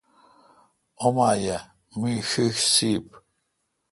اوما یہ می ݭݭ سپ۔